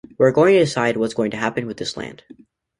We're going to decide what's going to happen with this land.